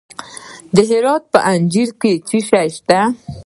د هرات په انجیل کې څه شی شته؟